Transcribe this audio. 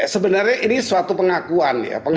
sebenarnya ini suatu pengakuan ya